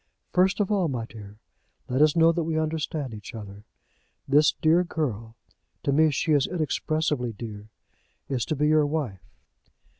"First of all, my dear, let us know that we understand each other. This dear girl, to me she is inexpressibly dear, is to be your wife?"